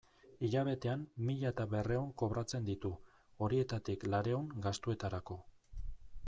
Hilabetean mila eta berrehun kobratzen ditu, horietatik laurehun gastuetarako.